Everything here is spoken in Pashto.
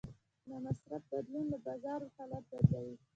د مصرف بدلون د بازار حالت بدلوي.